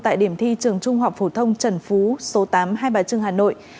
tại điểm thi trường trung học phổ thông trần phú số tám hai bà trưng hà nội